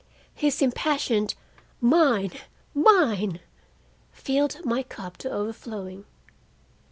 His impassioned "Mine! mine!" filled my cup to overflowing.